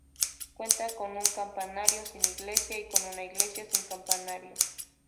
Cuenta con un campanario sin iglesia y con una iglesia sin campanario.